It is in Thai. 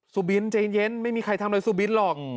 สุบินใจเย็นไม่มีใครทำอะไรสุบินหรอก